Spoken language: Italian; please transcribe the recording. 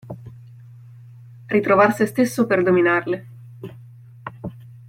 Ritrovar sé stesso per dominarle.